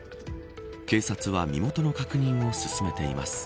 警察が身元の確認を進めています。